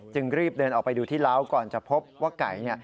รีบเดินออกไปดูที่ล้าวก่อนจะพบว่าไก่